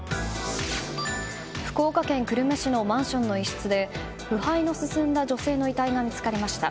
福岡県久留米市のマンションの一室で腐敗の進んだ女性の遺体が見つかりました。